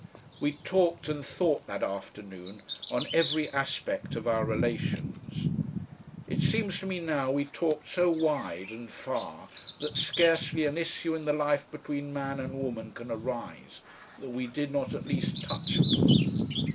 We talked and thought that afternoon on every aspect of our relations. It seems to me now we talked so wide and far that scarcely an issue in the life between man and woman can arise that we did not at least touch upon.